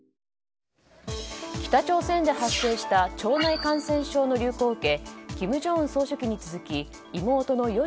北朝鮮で発生した腸内感染症の流行を受け金正恩総書記に続き妹の与